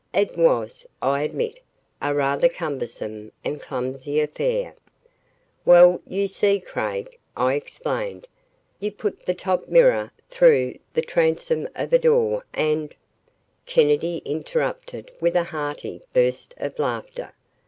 It was, I admit, a rather cumbersome and clumsy affair. "Well, you see, Craig," I explained, "you put the top mirror through the transom of a door and " Kennedy interrupted with a hearty burst of laughter.